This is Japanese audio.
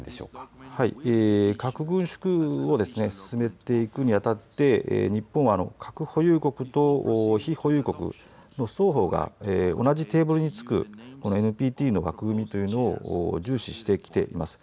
核軍縮を進めていくに当たって日本は、核保有国と非保有国の双方が同じテーブルにつくこのＮＰＴの枠組みというのを重視してきています。